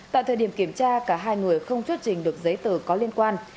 tại thời điểm kiểm tra cả hai người không xuất trình được giấy tờ có liên quan